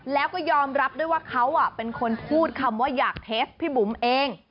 แล้วก็ยอมรับด้วยว่าเขาเป็นคนพูดคำว่าอยากเทสพี่บุ๋มเอง